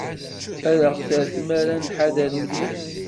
Ad aɣ-terr tmara ad nḥader mliḥ.